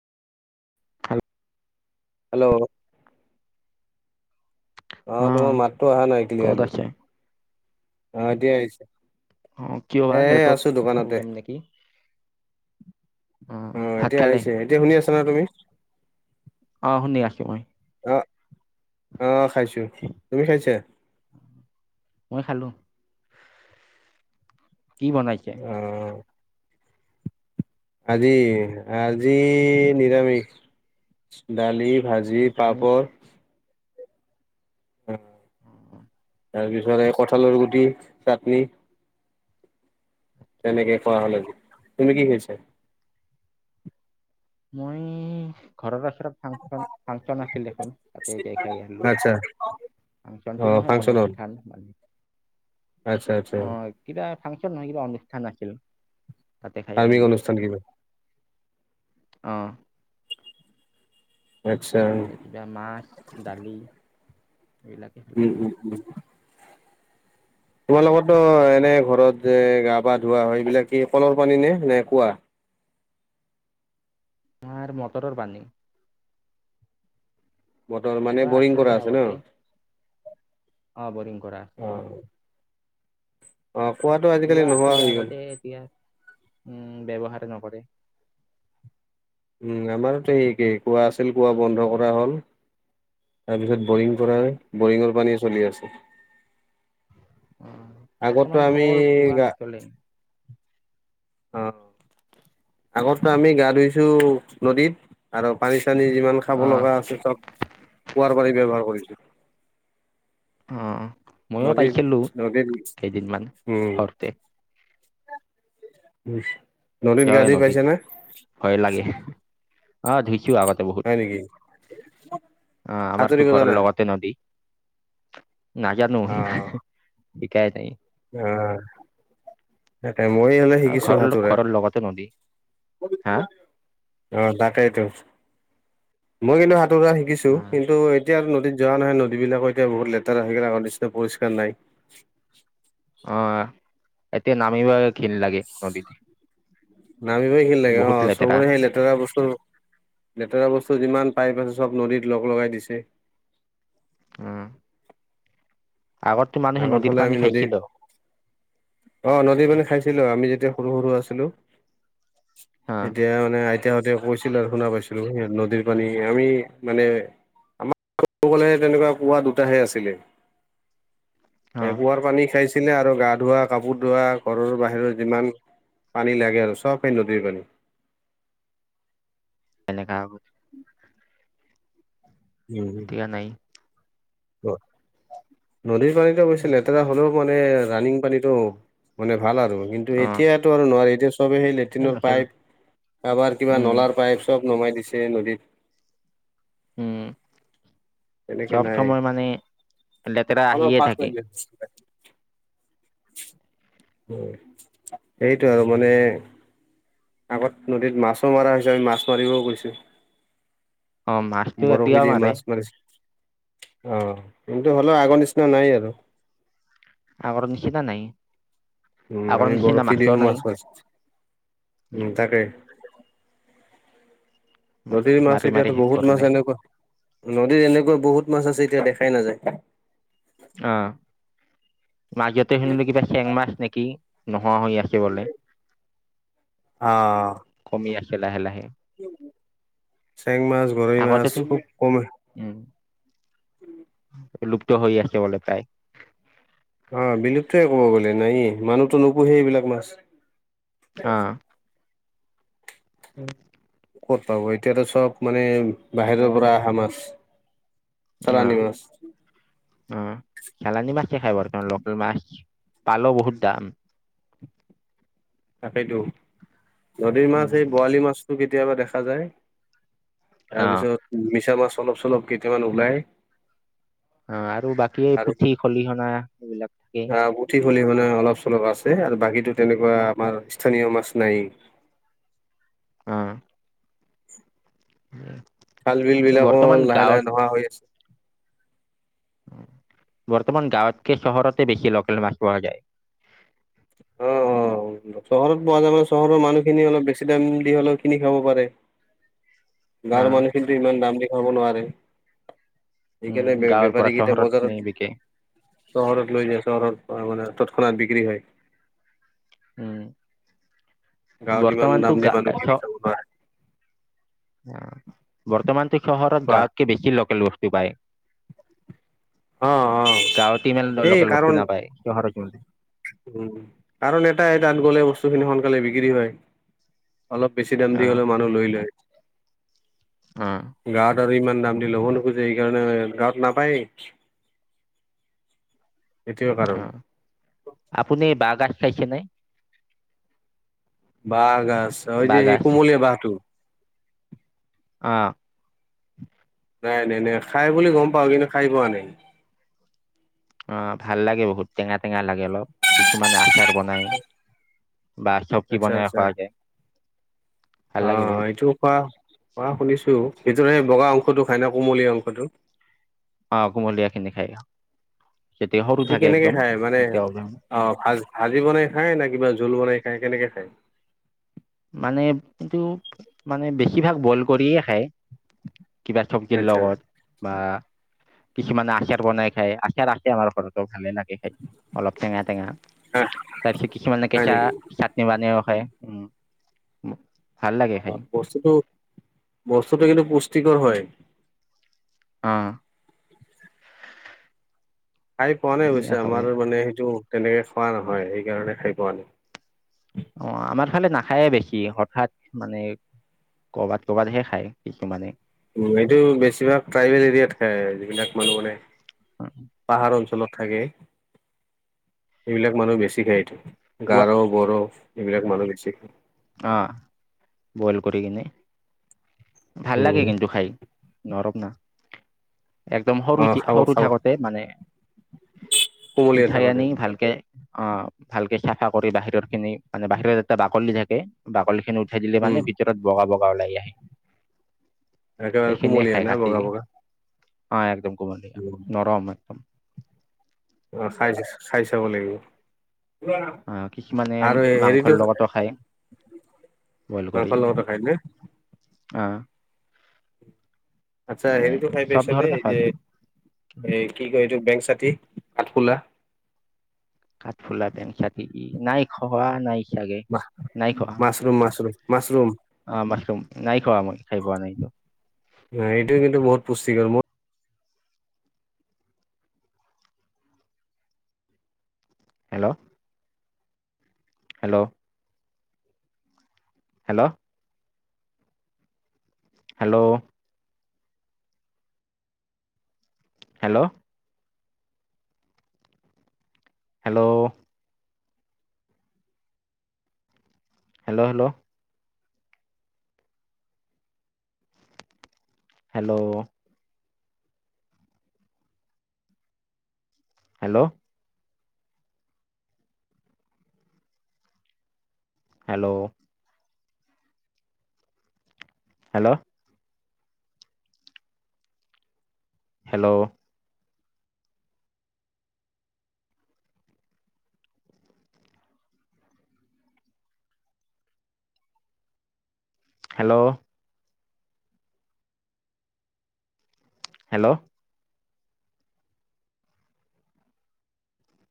খালোঁ। হেল্ল'। অ' তোমাৰ মাততো অহা নাই ক'ত আছে ক্লিয়াৰলি আহ এতিয়া অ কিয় বা আহিছে। এ নেটৱৰ্ক আছোঁ দোকানতে। প্ৰব্লেম নেকি অ এতিয়া আহিছে, এতিয়া শুনি আছা নে তুমি? অঁ শুনি আছোঁ মই। অ' অ' খাইছোঁ, তুমি খাইছা। মই খালোঁ। কি বনাইছা? অ'। আজি আজি নিৰামিষ। দালি, ভাজি, নিৰামিষ পাপৰ। অ'। উম তাৰপিছত এই কঁঠালৰ গুটি চাটনি। তেনেকে খোৱা হ'ল আজি। তুমি কি খাইছা? মই ঘৰৰ ওচৰত ফাংচন ফাংচন আছিল এখন তাতে যায় খাই আহিলোঁ। আচ্ছা। অচন্তি অ নহয় অলপ ফাংচন হল আচ্ছা আচ্ছা। কিদা ফাংচন নহয় কিবা অনুষ্ঠান আছিল। তাতে খাই ধাৰ্মিক আহিলো অনুষ্ঠান কিবা। অ। আচ্ছা। তাতে কিবা মাছ, দালি এইবিলাকে। উম, উম, উম। তোমাৰ লগতো তাত এনে ঘৰত যে গা পা ধোৱা হয়, এইবিলাক কি কলৰ পানী নে নে কুঁৱা? আমাৰ মটৰৰ পানী। মটৰ মানে কুঁৱা বৰিং আছিলে কৰা আছে ন। আগতে অ বৰিং কৰা আছে। অঁ। অ কুঁৱাটো কুঁৱা আজিকালি নোহোৱা আছিলে হৈ আগতে গ'ল। এতিয়া। উম উম ব্যৱহাৰে নকৰে। উম আমাতো এই এই কুঁৱা আছিল, কুঁৱা বন্ধ কৰা হ'ল। তাৰপিছত বৰিং কৰালে, বৰিঙৰ পানীয়ে চলি আছে। অ আগতো বৰ্তমান আমি কল, কুঁৱা গা নচলে। অ আগততো আমি গা ধুইছো নদীত। আৰু পানী চানী যিমান খাব অ', লগা আছে চব, কুঁৱাৰ পানী ব্যৱহাৰ কৰিছো। অ ময়ো নদীত পাইছিলো, নদীত কেইদিনমান উম ঘৰতে। [unintelligible] গা ধুই নদীত, পাইছা নে? ভয় লাগে। অ ধুইছো আগতে বহুত, হয় নেকি? অ আমাৰতো সাঁতুৰিব ঘৰৰ জানা? লগতে নদী। নাজানো অ শিকাই নাই। অ। তাকে মই অলপ অ', শিকিছো ঘৰৰ সাঁতোৰা। ঘৰৰ লগতে নদী হা অ' তাকেইতো। মই কিন্তু সাঁতোৰা শিকিছো, কিন্তু এতিয়া নদীত যোৱা নাই। নদীবিলাকো এতিয়া বহুত লেতেৰা হৈ গ'ল, আগৰ নিচিনা পৰিষ্কাৰ নাই। অ', এতিয়া নামিবই ঘিণ লাগে নদীত। নামিবই ঘিণ লাগে বহুত অ', লেতেৰা চবৰে সেই লে লেতেৰা বস্তু, লেতেৰা বস্তু যিমান পাইপ আছে, চব নদীত লগ লগাই দিছে। উম। আগততো মানুহে আগত নদীৰ হ'লে আমি পানী নদীত খাইছিলেও। অ', নদীৰ পানী খাইছিলো। আমি যেতিয়া সৰু সৰু আছিলো, অ', তেতিয়া মানে তাহঁতে কৈছিলে, শুনা পাইছিলো নদীৰ পানী, আমি মানে আমাৰফালে কব গলে তেনেকুৱা কুঁৱা, দুটাহে আছিলে। এ অ', কুঁৱাৰ পানী খাইছিলে আৰু গা ধোৱা, কাপোৰ ধোৱা, ঘৰৰ বাহিৰৰ যিমান পানী লাগে আৰু চব পান নদীৰ পানী। তেনেকা আ উম এতিয়া নাই। নদীৰ পানীতো অৱশ্যে লেতেৰা হ'লেও মানে এ, ৰানিং পানীটো মানে ভাল আৰু, কিন্তু অ', এতিয়াটো আৰু নোৱাৰি দেই, চবে সেই লে এতিয়া [unintelligible] নচলে পাইপ, কাৰবাৰ কিবা উম, নলাৰ পাইপ চব নমাই দিছে নদীত। উম। তেনেকে সব নাই সময় মানে লেতেৰা অলপ আহিয়ে থাকে। [unintelligible] [unintelligible] সেইটোৱে আৰু মানে আগত নদীত মাছো মাৰা হৈছে আমি মাছ মাৰিব গৈছোঁ। অ মাছটো বৰশী এতিয়াও দি মাৰে মাছ মাৰিছোঁ অঁ। কিন্তু হ'লেও আগৰ নিচিনা নাই আৰু। আগৰ নিচিনা নাই। উম! আগৰ আমি নিচিনা বৰশী মাছো দিও মাছ নাই মাৰিছোঁ। উম, উম! তাকে। নদীৰ মাছ মাৰি মাৰি এতিয়াতো শেষ বহুত মাছ কৰিলে এনেকুৱা, নদীৰ এনেকুৱা বহুত মাছ আছে এতিয়া দেখাই নাযায়। অঁ। মাজতে শুনিলো কিবা চেং মাছ নেকি নোহোৱা হৈ আছে। কি কৰি? অ কমি আছোঁ লাহে-লাহে। চেং মাছ, গৰৈ মাছ আগতেতো খুব কম হে উম। বিলুপ্ত হৈ আছে বোলে প্ৰায়। অঁ বিলুপ্তই ক'ব গ'লে নাইয়েই। মানুহতো নুপুহে এইবিলাক মাছ। অঁ। ক'ত পাব? এতিয়াাতো সব মানে বাহিৰৰ পৰা অহা মাছ। চালানি মাছ। উম। চালানী মাছ খায় [unintelligible] লোকেল মাছ, পালেও বহুত দাম। তাকেইতো। নদীৰ উম, মাছ এই বৰালি মাছটো কেতিয়াবা দেখা যায়। অ তাৰপিছত মিছা মাছ অলপ-চলপ কেইটামান ওলাই। অঁ। বাকী আৰু পুঠি, খলিহনা এইবিলাককেই। আহ পুঠি, খলিহনা অলপ-চলপ আছে আৰু বাকীতো তেনেকুৱা আমাৰ স্থানীয় মাছ নাইয়েই। অঁ। [unintelligible] খাল-বিল বৰ্তমান বিলাকত গাঁৱত লাহে-লাহে নোহোৱা হৈ আছে। বৰ্তমান গাঁৱতকে চহৰতে বেছি লোকেল মাছ পোৱা যায়। অঁ-অঁ! চহৰত পোৱা যায় মানে, চহৰৰ মানুহখিনিয়ে অলপ বেছি দাম দি হ'লেও কিনি খাব পাৰে। গাঁৱৰ অ'। মানুহখিনিয়েটো ইমান দাম দি খাব নোৱাৰে। উম, এইকাৰণে গাঁৱৰ পৰা বেপ-বেপাৰীকেইটা চহৰত নি বজাৰত বিকে। চহৰত লৈ যায় চহৰত মানে তৎক্ষণাত বিক্ৰী হয়। উম। গাঁৱত ইমান বৰ্তমানতো দাম দি গা মানুহ চ কিনি খাব নোৱাৰে বৰ্তমানতো চহৰত বা গাঁৱতকে বেছি লোকেল বস্তু পায়। অ অ গাঁৱতে ইমান সেই লোকেল বস্তু কাৰণ নাপায় চহৰত উম! কাৰণ এটাই তাত গলে বস্তুখিনি সোনকালে বিক্ৰী হয়। অলপ বেছি দাম দি অ', হ'লেও মানুহ লৈ লয়। অ', গাঁৱত আৰু ইমান দাম দি ল'ব নোখোজে সেইকাৰণে গাঁৱত নাপায়েই। সেইটোৱেই কাৰণ। অ'। আপুনি বাঁহ গাজ খাইছে নে? বাঁহ গাজ অঁ এই যে সেই বাঁহগাজ কুমলীয়া বাঁহটো? অঁ। নাই-নাই-নাই, খাই বুলি গম পাওঁ কিন্তু খাই পোৱা নাই। অঁ ভাল লাগে বহুত টেঙা-টেঙা লাগে অলপ। কিছুমানে আচাৰ বনাই বা চব্জি আচ্ছা বনাইও আচ্ছা খোৱা যায় ভাল লাগে বহুত। কোৱা, কোৱা শুনিছোঁ, ভিতৰৰ এই বগা অংশটো খায় ন, কোমলীয়া অংশটো। অ', কুমলীয়া খিনি খাই, যেতিয়া সৰু এইটো থাকে কেনেকে একদম খাই মানে তেতিয়া অ', ভাজি বনাই খায় নে, কিবা জোল বনাই খায় কেনেকে খায়। মানে এইটো মানে বেছিভাগ বইল কৰিয়েই খায়। কিবা চব্জিৰ আচ্ছা লগত। বা কিছুমানে আচাৰ বনাই খায়, আচাৰ আছে আমাৰ ঘৰতো ভালেই লাগে। অলপ টেঙা টেঙা, হা তাৰপিছত কিছুমানে হয় কেঁচা নেকি চাটনি বনাইও খায়। ভাল লাগে খাই। অ', বস্তুটো, বস্তুটো কিন্তু পুষ্টিকৰ হয়। অ'। খাই পোৱা নাই ধুনীয়া অৱশ্যে, আমাৰ খাবলৈ মানে সেইটো তেনেকে খোৱা নহয়, সেইকাৰণে খাই পোৱা নাই। অ', আমাৰ ফালে নাখায়েই বেছি, হঠাৎ মানে ক'বাত ক'বাতহে খায় কিছুমানে। উম, এইটো বেছিভাগ ট্ৰাইবেল এৰিয়াত খায়, যিবিলাক মানুহ মানে পাহাৰ অঞ্চলত থাকে, সেইবিলাক মানুহে বেছি খাই এইটো। গোৱা গাৰো, বড়ো এইবিলাক মানুহে বেছি খায়। অ', বইল কৰি কেনে। ভাল লাগে উম, কিন্তু খাই, নৰম না। একদম সৰু, অ', খাব সৰু খাব থাকোতে মানে কোমলীয়া উঠাই থাকোতে আনি ভালকে অ', ভালকে চাফা কৰি বাহিৰৰ খিনি, মানে বাহিৰত এটা বাকলি থাকে। বাকলি খিনি উঠাই দিলে উম। মানে, ভিতৰত বগা বগা ওলাই যায়। একেবাৰে এইখিনিয়েই কুমলীয়া খাই না কাটি, বগা বগা অ', একদম কুমলীয়া, নৰম একদম। অ', খাই, খাই চাব লাগিব। অ', কিছুমানে আৰু হেৰিটো মাংসৰ লগতো খায়। বইল কৰি, মাংসৰ লগতো খাই নে অহ। আচ্ছা, মানে হেৰিটো খাই চব পাইছানে? ধৰণে এই যে, খোৱাগে এই কি কয় এইটো? বেং চাতি, কাঠফুলা। কাঠফুলা বেং চাতি, নাই খোৱা নাই। চাগে নাই খোৱা মাছৰুম মাছৰুম, মাছৰুম। অ', মাছৰুম, নাই খোৱা মই, খাই পোৱা নাই। অ', এইটো কিন্তু বহুত পুষ্টিকৰ, মোৰ hello. Hello. Hello. Hello. Hello. Hello. Hello, hello. Hello hello hello. Hello. Hello. Hello. Hello.